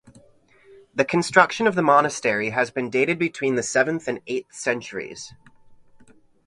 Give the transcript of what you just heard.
The construction of the monastery has been dated between the seventh and eighth centuries.